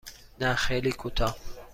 نه خیلی کوتاه.